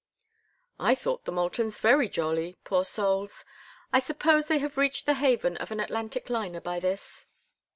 "I thought the Moultons very jolly—poor souls. I suppose they have reached the haven of an Atlantic liner by this."